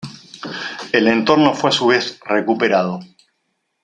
El entorno fue a su vez recuperado.